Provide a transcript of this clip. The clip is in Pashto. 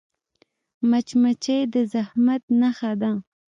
مچمچۍ د زحمت نښه ده